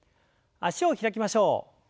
脚を開きましょう。